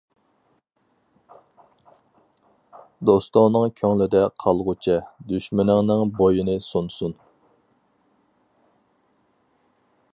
دوستۇڭنىڭ كۆڭلىدە قالغۇچە، دۈشمىنىڭنىڭ بوينى سۇنسۇن.